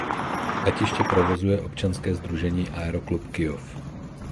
Letiště provozuje občanské sdružení Aeroklub Kyjov.